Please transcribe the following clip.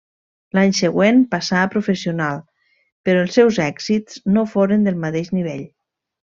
L'any següent passà a professional, però els seus èxits no foren del mateix nivell.